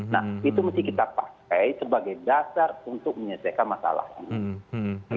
nah itu mesti kita pakai sebagai dasar untuk menyelesaikan masalah ini